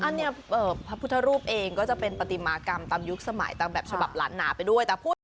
อันนี้พระพุทธรูปเองก็จะเป็นปฏิมากรรมตามยุคสมัยตามแบบฉบับล้านนาไปด้วย